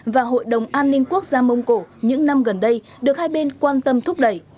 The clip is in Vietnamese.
và hội đồng an ninh quốc gia mông cổ những năm gần đây được hai bên quan tâm thúc đẩy